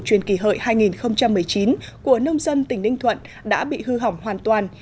truyền kỳ hợi hai nghìn một mươi chín của nông dân tỉnh ninh thuận đã bị hư hỏng hoàn toàn